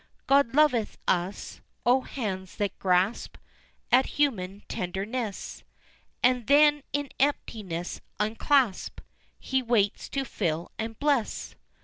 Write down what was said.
God loveth us! O hands that grasp At human tenderness, And then in emptiness unclasp, He waits to fill and bless.